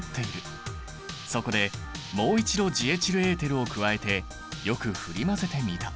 そこでもう一度ジエチルエーテルを加えてよく振り混ぜてみた。